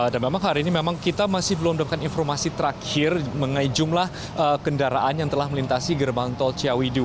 dan memang hari ini kita masih belum dapatkan informasi terakhir mengenai jumlah kendaraan yang telah melintasi gerbang tol ciawi dua